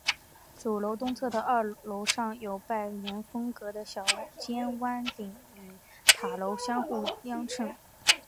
主楼东侧的二楼上有拜占廷风格的小尖穹顶与塔楼相互映衬。